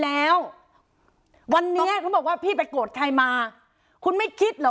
แล้ววันนี้เขาบอกว่าพี่ไปโกรธใครมาคุณไม่คิดเหรอ